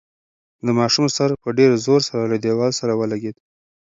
د ماشوم سر په ډېر زور سره له دېوال سره ولګېد.